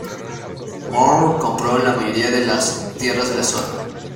Moore compró la mayoría de las tierras de la zona.